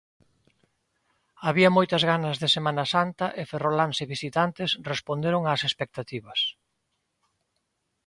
Había moitas ganas de Semana Santa e ferroláns e visitantes responderon ás expectativas.